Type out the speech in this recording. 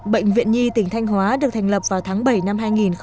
bệnh viện nhi tỉnh thanh hóa được thành lập vào tháng bảy năm hai nghìn bảy